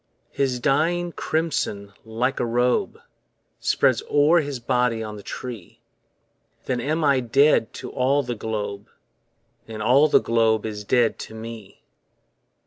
His dying crimson like a robe Spreads o'er his body on the tree, Then am I dead to all the globe, And all the globe is dead to me.